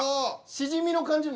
シジミの感じも。